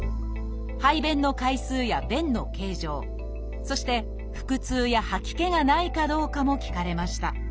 排便の回数や便の形状そして腹痛や吐き気がないかどうかも聞かれました